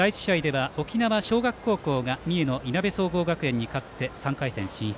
第１試合では沖縄・沖縄尚学高校が三重のいなべ総合学園に勝って３回戦進出。